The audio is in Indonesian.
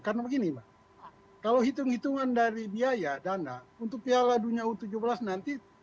karena begini mbak kalau hitung hitungan dari biaya dana untuk piala dunia u tujuh belas nanti